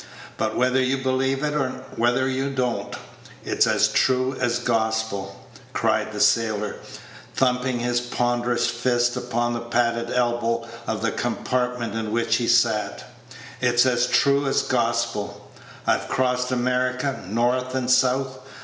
But whether you believe it or whether you don't, it's as true as gospel," cried the sailor, thumping his ponderous fist upon the padded elbow of the compartment in which he sat; "it's as true as gospel. I've coasted America, North and South.